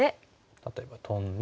例えばトンで。